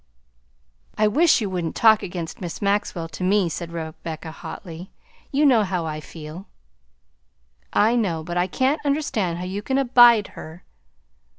"I wish you wouldn't talk against Miss Maxwell to me," said Rebecca hotly. "You know how I feel." "I know; but I can't understand how you can abide her."